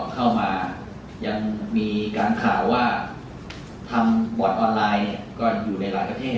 เข้ามายังมีการข่าวว่าทำบอร์ดออนไลน์ก็อยู่ในหลายประเทศ